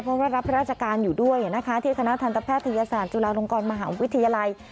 เพราะว่ารับราชการอยู่ด้วยนะคะที่คณะทันตแพทยศาสตร์จุฬาลงกรมหาวิทยาลัย